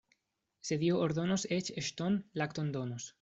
Se Dio ordonos, eĉ ŝton' lakton donos.